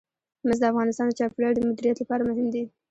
مس د افغانستان د چاپیریال د مدیریت لپاره مهم دي.